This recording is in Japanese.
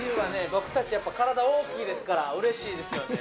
僕たちやっぱ体大きいですから嬉しいですよね